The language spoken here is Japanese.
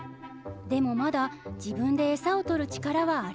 でもまだ自分で餌をとる力はありません。